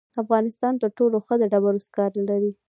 افغانستان تر ټولو ښه د ډبرو سکاره لري.